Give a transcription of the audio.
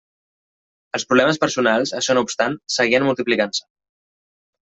Els problemes personals, això no obstant, seguien multiplicant-se.